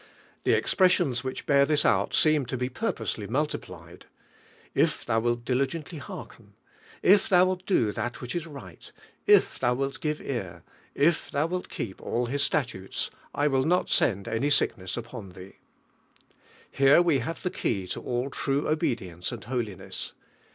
The expres sions which bear this oul seem In be pur posely multiplied: "If thou wilt diligent ly hearken ... if thou will do thai tUVTNK HEALING. 10 " which is right ... if thou wilt give ear ... if thon wilt keep all Ilis statutes, 1 will not send any sickness upon thee." Here we have I tie key to all true obedi ence and holiness.